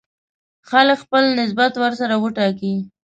خلک خپل نسبت ورسره وټاکي.